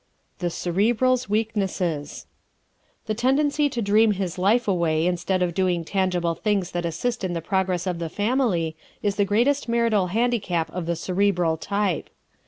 The Cerebral's Weaknesses ¶ The tendency to dream his life away instead of doing tangible things that assist in the progress of the family is the greatest marital handicap of the Cerebral type.